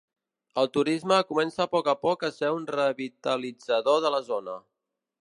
El turisme comença a poc a poc a ser un revitalitzador de la zona.